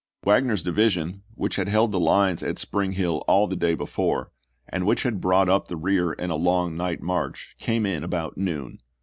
Wagner's division, which had held the lines at Spring Hill all the day before, and which had brought up the rear in a long night march, came in about noon.